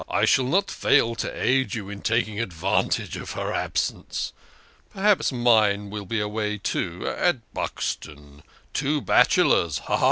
I shall not fail to aid you in taking advantage of her absence. Perhaps mine will be away, too at Buxton. Two bachelors, ha ! ha